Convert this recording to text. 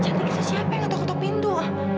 cantik itu siapa yang ngetuk ngetuk pintu